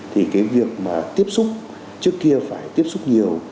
thì cái việc mà tiếp xúc trước kia phải tiếp xúc nhiều